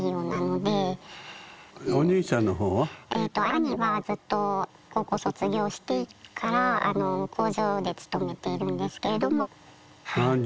兄はずっと高校卒業してから工場で勤めているんですけれども。